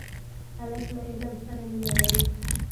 هلک له علم سره مینه لري.